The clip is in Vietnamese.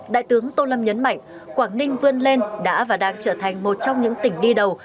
đại tướng tô lâm nhấn mạnh quảng ninh vươn lên đã và đang trở thành một trong những tỉnh đi đầu